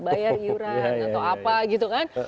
bayar iuran atau apa gitu kan